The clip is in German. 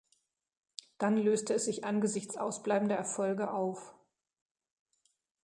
Dann löste es sich angesichts ausbleibender Erfolge auf.